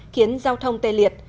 khiến giao thông tê liệt